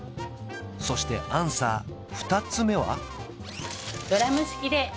そしてアンサー２つ目は？